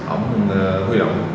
ở nguồn huy động